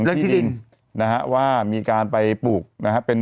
ถูกต้องถูกต้องถูกต้องถูกต้องถูกต้อง